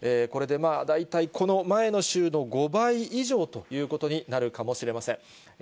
これで大体、この前の週の５倍以上ということになるかもしれません。